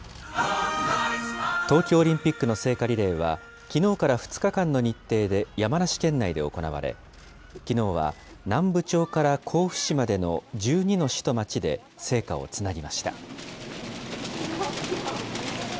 東京オリンピックの聖火リレーは、きのうから２日間の日程で、山梨県内で行われ、きのうは南部町から甲府市までの１２の市と町で聖火をつなぎました。